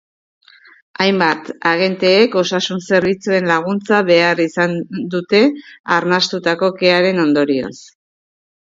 Hainbat agenteek osasun zerbitzuen laguntza behar izan dute arnastutako kearen ondorioz.